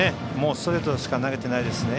ストレートしか投げてないですね